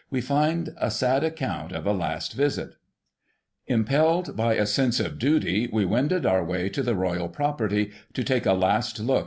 we find a sad account of a last visit :" Impelled by a sense of duty, we wended our way to the 'Royal property,'* to take a last look.